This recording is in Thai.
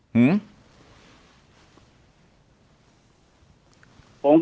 คุณภาคภูมิครับคุณภาคภูมิครับ